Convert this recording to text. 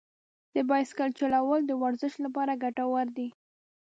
د بایسکل چلول د ورزش لپاره ګټور دي.